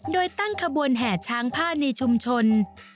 โดยตั้งขบวนแห่ช้างผ้าในชุมชน